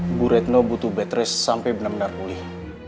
ibu retno butuh betress sampai benar benar pulih